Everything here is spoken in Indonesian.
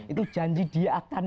itu janji dia akan